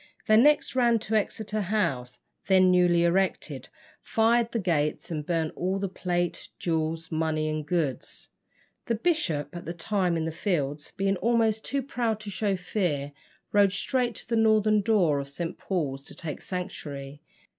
They next ran to Exeter House, then newly erected, fired the gates, and burnt all the plate, jewels, money, and goods. The bishop, at that time in the fields, being almost too proud to show fear, rode straight to the northern door of St. Paul's to take sanctuary.